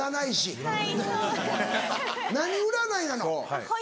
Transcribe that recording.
何占いなの？